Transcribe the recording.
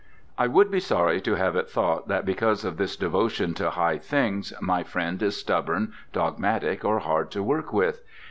I would be sorry to have it thought that because of this devotion to high things my friend is stubborn, dogmatic, or hard to work with.